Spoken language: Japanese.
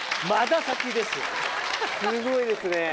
すごいですね。